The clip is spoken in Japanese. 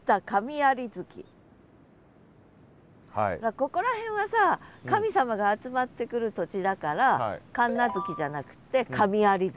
ここら辺はさ神様が集まってくる土地だから神無月じゃなくって神在月。